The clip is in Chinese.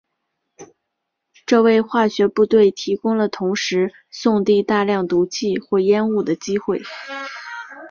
这为化学部队提供了同时送递大量毒气或烟雾的机会。